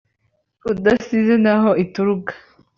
udasize n’aho ituruka